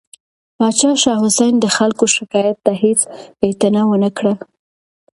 پاچا شاه حسین د خلکو شکایت ته هیڅ اعتنا ونه کړه.